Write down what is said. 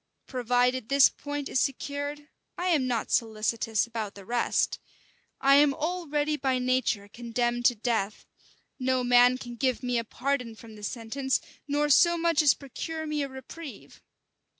Provided this point is secured, I am not solicitous about the rest. I am already by nature condemned to death: no man can give me a pardon from this sentence; nor so much as procure me a reprieve.